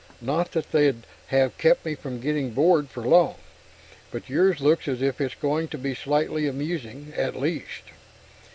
Not that they'd have kept me from getting bored for long, but yours looks as if it's going to be slightly amusing, at least."